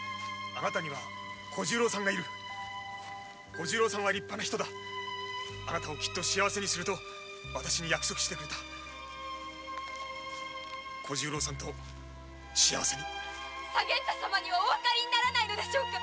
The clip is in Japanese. あなたには小十郎さんがいるあの人は立派な人だあなたを幸せにすると約束してくれた小十郎さんと幸せに左源太様にはお分かりにならないのでしょうか